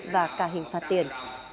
và cả hình phạt tiền